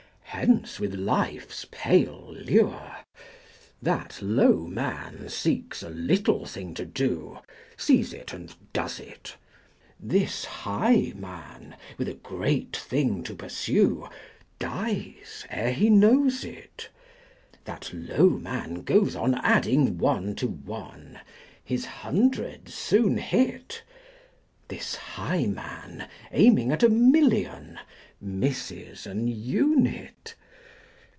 Hence with life's pale lure!" That low man seeks a little thing to do, Sees it and does it: This high man, with a great thing to pursue, 115 Dies ere he knows it. That low man goes on adding one to one, His hundred's soon hit: This high man, aiming at a million, Misses an unit.